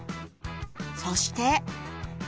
そして。